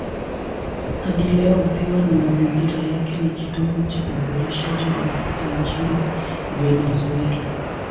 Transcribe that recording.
Hadi leo ziwa na mazingira yake ni kitovu cha uzalishaji wa mafuta nchini Venezuela.